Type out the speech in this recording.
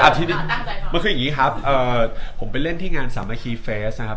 ทีนี้มันคืออย่างนี้ครับผมไปเล่นที่งานสามัคคีเฟสนะครับ